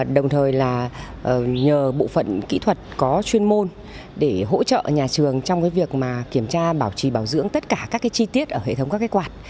đồng thời là nhờ bộ phận kỹ thuật có chuyên môn để hỗ trợ nhà trường trong việc kiểm tra bảo trì bảo dưỡng tất cả các chi tiết ở hệ thống các cái quạt